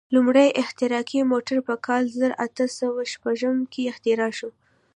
لومړنی احتراقي موټر په کال زر اته سوه شپېته کې اختراع شو.